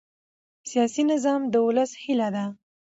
سیاسي نظام د ولس هیله ده